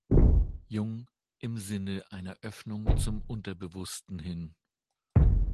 Jung im Sinne einer Öffnung zum Unterbewussten hin.